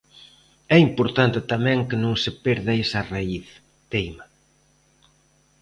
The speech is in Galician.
"É importante tamén que non se perda esa raíz", teima.